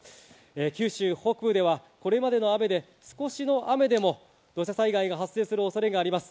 九州北部では、これまでの雨で少しの雨でも土砂災害が発生する恐れがあります。